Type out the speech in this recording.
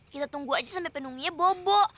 kita tunggu aja sampe penungginya bobo